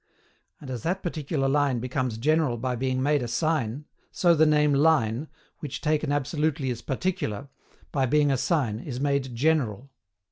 And, as that particular line becomes general by being made a sign, so the name LINE, which taken absolutely is PARTICULAR, by being a sign is made GENERAL.